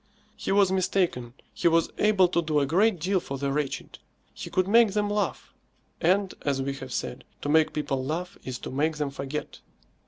He was mistaken. He was able to do a great deal for the wretched. He could make them laugh; and, as we have said, to make people laugh is to make them forget.